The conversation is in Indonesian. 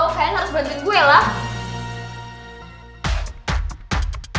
kayaknya harus bantuin gue lah